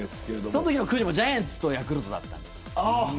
そのときのくじもジャイアンツとヤクルトだったんです。